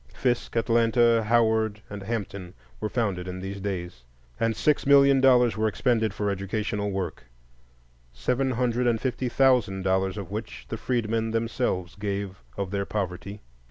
Fisk, Atlanta, Howard, and Hampton were founded in these days, and six million dollars were expended for educational work, seven hundred and fifty thousand dollars of which the freedmen themselves gave of their poverty.